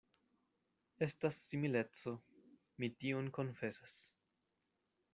Estas simileco; mi tion konfesas.